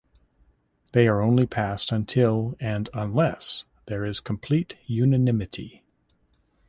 They are only passed until and unless there is complete unanimity.